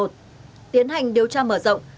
tiến hành điều tra mở rộng